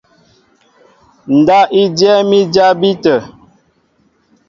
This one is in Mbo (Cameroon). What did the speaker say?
Ndáp i dyɛ́ɛ́m i jabí tə̂.